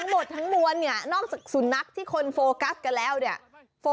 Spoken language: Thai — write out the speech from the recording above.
ไม่มีคล่องโทรศัพท์